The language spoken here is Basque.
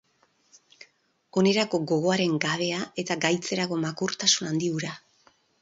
Onerako gogoaren gabea eta gaitzerako makurtasun handi hura.